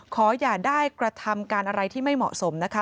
ขออย่าได้กระทำการอะไรที่ไม่เหมาะสมนะคะ